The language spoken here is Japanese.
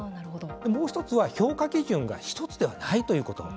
もう１つは評価基準が１つではないということ。